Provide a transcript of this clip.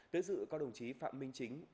đến dự có đồng chí phạm minh chính